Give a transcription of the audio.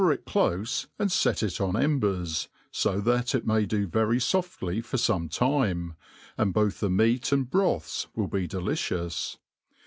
it clofc, and fet it on embers, fo that it may do very foftly for fome time, and both the meat and broths will be delicious.